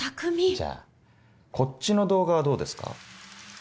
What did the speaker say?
じゃあこっちの動画はどうですか？